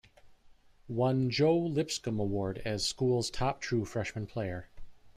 Won Joe Lipscomb Award as school's top true freshman player.